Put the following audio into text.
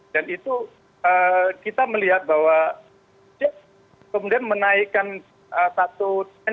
dan itu kita melihat bahwa kemudian menaikkan satu